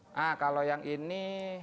nah kalau yang ini